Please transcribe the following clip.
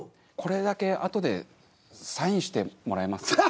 これだけあとでサインしてもらえます？